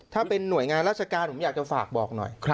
ถ้าเป็นหน่วยงานราชการผมอยากจะฝากบอกหน่อย